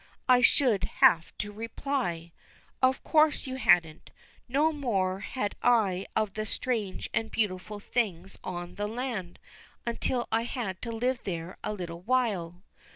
I should have to reply, "Of course you hadn't; no more had I of the strange and beautiful things on the land, until I had to live there a little while."